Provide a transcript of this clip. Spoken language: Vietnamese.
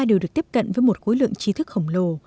đều được tiếp cận với một khối lượng trí thức khổng lồ